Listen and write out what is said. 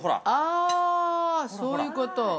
◆あ、そういうこと。